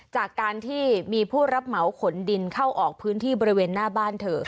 จากการที่มีผู้รับเหมาขนดินเข้าออกพื้นที่บริเวณหน้าบ้านเธอ